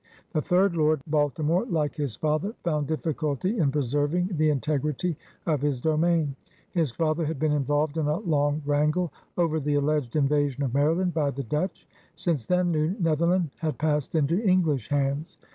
The third Lord Baltimore, like his father, found difficulty in preserving the int^jrity of his domain. His father had been involved in a long wrangle over the allied invasion of Maryland by the Dutch. Since then. New Netherland had passed into English hands.